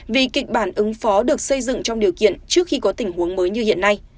vì kịch bản ứng phó được xây dựng trong điều kiện trước khi có tình huống mới như hiện nay